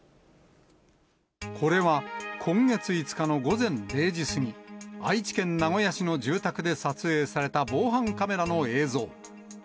これは、今月５日の午前０時過ぎ、愛知県名古屋市の住宅で撮影された防犯カメラの映像。